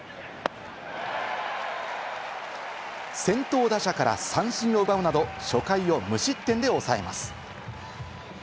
先頭打者から三振を奪うなど、初回を無失点で抑えます。